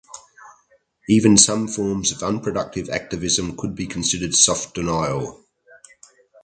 Even some forms of unproductive activism could be considered soft denial.